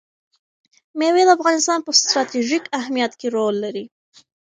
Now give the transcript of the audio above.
مېوې د افغانستان په ستراتیژیک اهمیت کې رول لري.